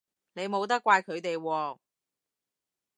你冇得怪佢哋喎